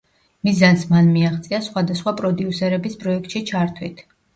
მიზანს მან მიაღწია სხვადასხვა პროდიუსერების პროექტში ჩართვით.